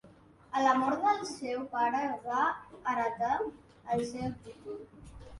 A la mort del seu pare va heretar el seu títol.